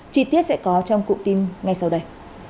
chi tiết sẽ có trong cụm tin ngay sau đây